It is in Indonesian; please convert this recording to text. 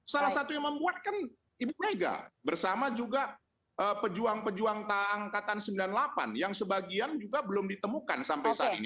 salah satu yang membuat kan ibu mega bersama juga pejuang pejuang angkatan sembilan puluh delapan yang sebagian juga belum ditemukan sampai saat ini